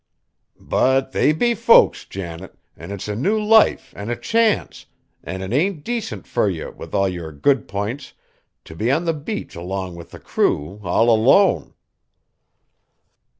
"But they be folks, Janet, an' it's a new life an' a chance, an' it ain't decint fur ye, with all yer good pints, t' be on the beach along with the crew, all alone!"